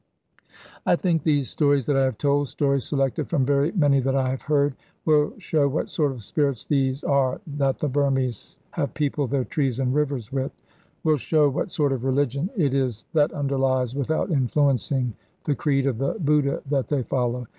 I think these stories that I have told, stories selected from very many that I have heard, will show what sort of spirits these are that the Burmese have peopled their trees and rivers with; will show what sort of religion it is that underlies, without influencing, the creed of the Buddha that they follow.